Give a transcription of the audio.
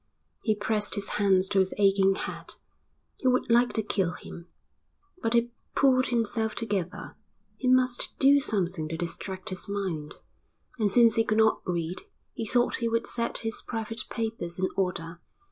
He pressed his hands to his aching head. He would like to kill him. But he pulled himself together. He must do something to distract his mind, and since he could not read he thought he would set his private papers in order.